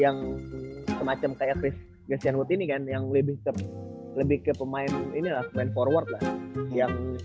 yang semacam kayak chris christian wood ini kan yang lebih ke pemain ini lah forward lah yang